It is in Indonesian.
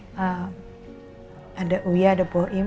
nah ada uya ada boim dr sizrec